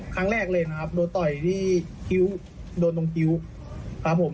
ครั้งแรกเลยนะครับโดนต่อยที่คิ้วโดนตรงคิ้วครับผม